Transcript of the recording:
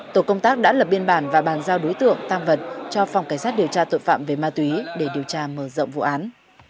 tổ công tác đã lập biên bản và bàn giao đối tượng tăng vật cho phòng cảnh sát điều tra tội phạm về ma túy để điều tra mở rộng vụ án